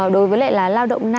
đối với lại là lao động này